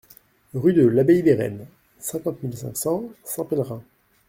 Rue de l'Abbaye des Reines, cinquante mille cinq cents Saint-Pellerin